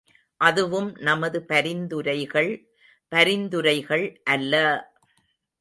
அதுவும் நமது பரிந்துரைகள் பரிந்துரைகள் அல்ல!